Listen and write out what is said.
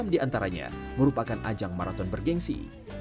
enam diantaranya merupakan ajang maraton bergensi